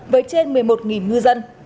với trên một mươi một ngư dân